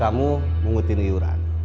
kamu mengutin iuran